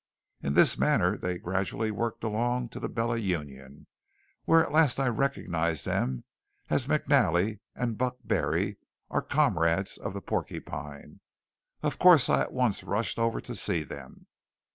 In this manner they gradually worked along to the Bella Union, where at last I recognized them as McNally and Buck Barry, our comrades of the Porcupine. Of course I at once rushed over to see them.